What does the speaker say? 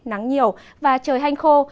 nắng nhiều và trời hanh khô